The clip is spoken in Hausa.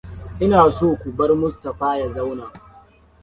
Ina son ku bar Mustaphaa ya zauna.